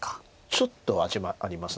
ちょっと味もあります。